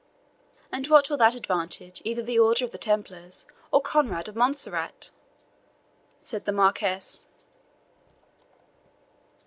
"And what will that advantage either the Order of the Templars, or Conrade of Montserrat?" said the Marquis.